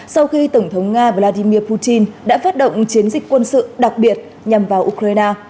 sau khi tổng thống nga vladimir putin đã phát động chiến dịch quân sự đặc biệt nhằm vào ukraine